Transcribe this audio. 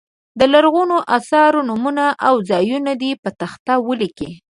د لرغونو اثارو نومونه او ځایونه دې په تخته ولیکي.